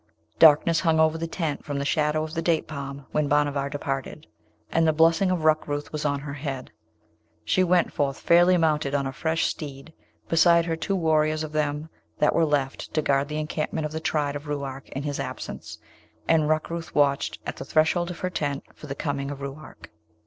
Darkness hung over the tent from the shadow of the date palm when Bhanavar departed, and the blessing of Rukrooth was on her head. She went forth fairly mounted on a fresh steed; beside her two warriors of them that were left to guard the encampment of the tribe of Ruark in his absence; and Rukrooth watched at the threshold of her tent for the coming of Ruark.